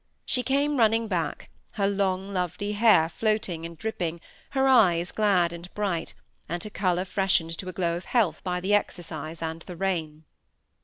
She came running back, her long lovely hair floating and dripping, her eyes glad and bright, and her colour freshened to a glow of health by the exercise and the rain.